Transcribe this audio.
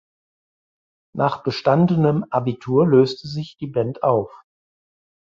Nach bestandenem Abitur löste sich die Band auf.